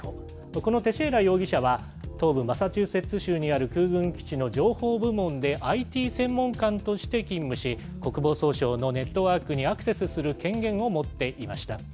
このテシェイラ容疑者は、東部マサチューセッツ州にある空軍基地の情報部門で、ＩＴ専門官として勤務し、国防総省のネットワークにアクセスする権限を持っていました。